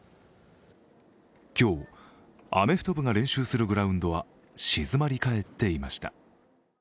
今日、アメフト部が練習するグラウンドは静まりかえっていました。